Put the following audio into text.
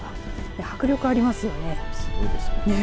迫力ありますよね。